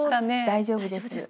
大丈夫です。